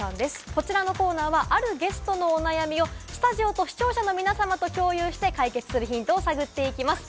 こちらのコーナーはあるゲストのお悩みをスタジオと視聴者の皆さまと共有して解決するヒントを探っていきます。